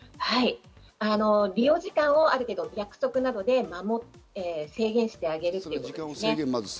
利用時間をある程度、約束などで守って制限してあげるということですね。